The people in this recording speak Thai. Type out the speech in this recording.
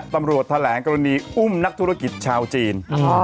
ตำรวจแถลงกรณีอุ้มนักธุรกิจชาวจีน